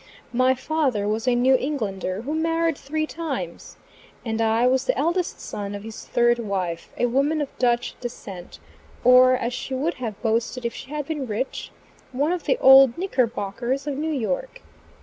My father was a New Englander, who married three times, and I was the eldest son of his third wife, a woman of Dutch descent, or, as she would have boosted if she had been rich, one of the old Knickerbockers of New York.